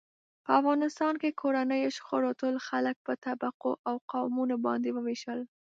په افغانستان کې کورنیو شخړو ټول خلک په طبقو او قومونو باندې و وېشل.